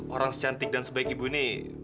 orang secantik dan sebaik ibu ini